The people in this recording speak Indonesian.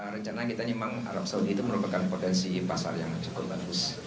rencana kita memang arab saudi itu merupakan potensi pasar yang cukup bagus